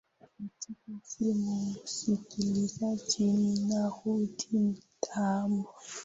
katika simu msikilizaji nina ruge mutahabwa